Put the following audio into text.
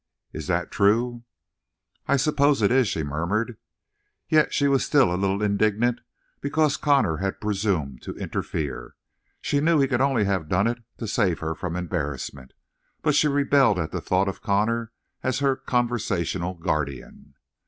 Is that true?" "I suppose it is," she murmured. Yet she was a little indignant because Connor had presumed to interfere. She knew he could only have done it to save her from embarrassment, but she rebelled at the thought of Connor as her conversational guardian.